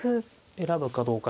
選ぶかどうか。